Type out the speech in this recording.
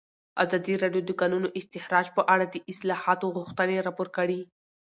ازادي راډیو د د کانونو استخراج په اړه د اصلاحاتو غوښتنې راپور کړې.